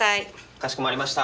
かしこまりました。